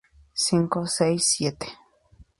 cinco, seis, siete